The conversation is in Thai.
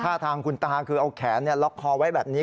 ท่าทางคุณตาคือเอาแขนล็อกคอไว้แบบนี้